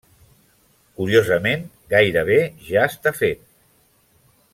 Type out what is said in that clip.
Curiosament, gairebé ja està fet.